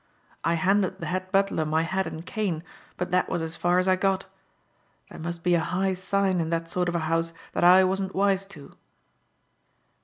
I handed the head butler my hat and cane, but that was as far as I got. There must be a high sign in that sort of a house that I wasn't wise to."